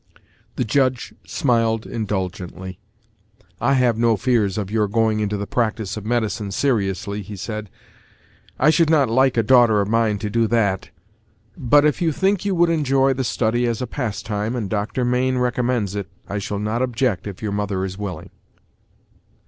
The judge smiled indulgently. "I have no fears of your going into the practice of medicine seriously," he said. "I should not like a daughter of mine to do that; but if you think you would enjoy the study as a pastime and Doctor Mayne recommends it, I shall not object if your mother is willing."